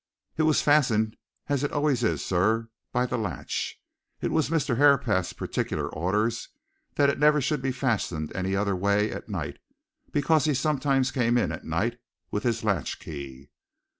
"It was fastened as it always is, sir, by the latch. It was Mr. Herapath's particular orders that it never should be fastened any other way at night, because he sometimes came in at night, with his latch key."